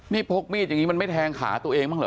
นี่พกมีดอย่างนี้มันไม่แทงขาตัวเองบ้างเหรอ